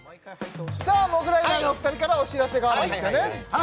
さあモグライダーのお二人からお知らせがあるんですよね